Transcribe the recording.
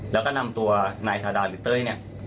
แล้วก็นำตัวนายทาดาหรือเต้ยเนี่ย